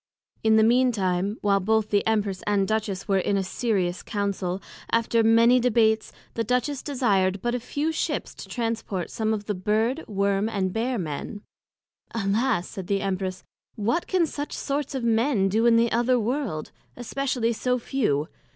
In the mean time, while both the Empress and Duchess were in a serious Counsel, after many debates, the Duchess desired but a few Ships to transport some of the Bird Worm and Bear men: Alas! said the Empress, What can such sorts of Men do in the other World? especially so few?